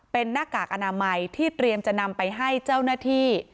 เป็นหน้ากากอนามัยที่เตรียมจะนำไปให้เจ้าหน้าที่